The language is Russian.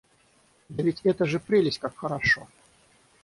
Да ведь это же прелесть как хорошо.